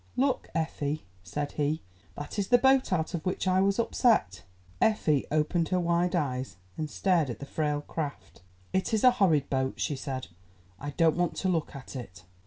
"Look, Effie," said he, "that is the boat out of which I was upset." Effie opened her wide eyes, and stared at the frail craft. "It is a horrid boat," she said; "I don't want to look at it."